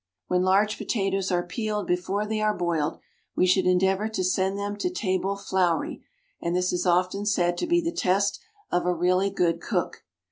When large potatoes are peeled before they are boiled, we should endeavour to send them to table floury, and this is often said to be the test of a really good cook.